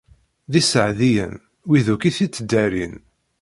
D iseɛdiyen wid akk i t-ittdarin.